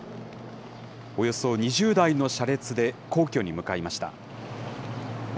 およそ２０台の車列で、皇居に向かいました。